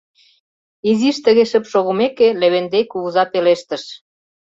Изиш тыге шып шогымеке, Левентей кугыза пелештыш: